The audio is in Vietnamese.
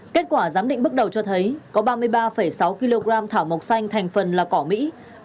kết quả giám định bước đầu cho thấy có ba mươi ba sáu kg thảo mộc xanh thành phần là cỏ mỹ